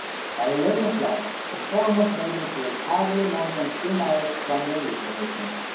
By eleven o'clock the foremost waggons were hardly more than three miles from their destination.